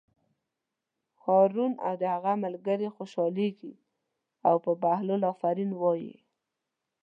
هارون او د هغه ملګري خوشحالېږي او په بهلول آفرین وایي.